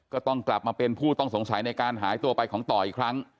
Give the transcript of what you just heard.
ก็ต้องกลับมาเป็นผู้ต้องสงสัยในการหายตัวไปของต่ออีกครั้ง